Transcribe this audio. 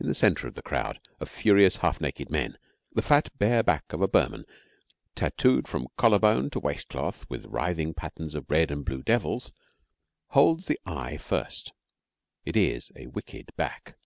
In the centre of the crowd of furious half naked men, the fat bare back of a Burman, tattooed from collar bone to waist cloth with writhing patterns of red and blue devils, holds the eye first. It is a wicked back.